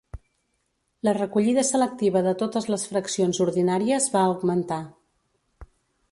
La recollida selectiva de totes les fraccions ordinàries va augmentar.